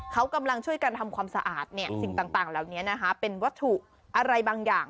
เขากำลังช่วยกันทำความสะอาดสิ่งต่างเหล่านี้นะคะเป็นวัตถุอะไรบางอย่าง